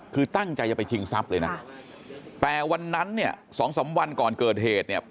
คือตั้งใจจะไปชิงทรัพย์เลยนะแต่วันนั้นเนี่ยสองสามวันก่อนเกิดเหตุเนี่ย